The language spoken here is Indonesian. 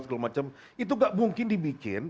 segala macam itu gak mungkin dibikin